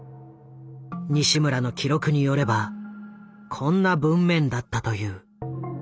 西村の記録によればこんな文面だったという。